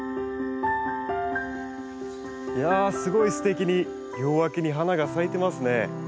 いやあすごいすてきに両脇に花が咲いてますね。